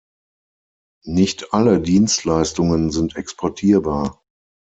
Nicht alle Dienstleistungen sind exportierbar.